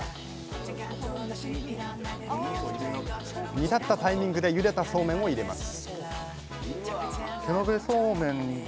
煮立ったタイミングでゆでたそうめんを入れます